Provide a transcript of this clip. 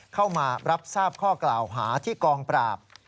เข้ามารับทราบข้อกล่าวหาที่กองปราบ